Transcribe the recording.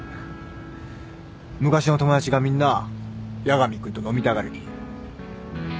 昔の友達がみんな八神君と飲みたがる理由